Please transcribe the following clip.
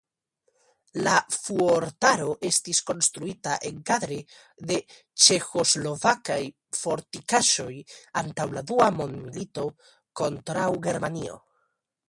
La fuortaro estis konstruita enkadre de ĉeĥoslovakaj fortikaĵoj antaŭ la dua mondmilito kontraŭ Germanio.